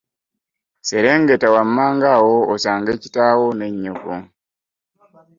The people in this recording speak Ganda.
Serengeta wammanga awo osange kitaawo ne nnyoko.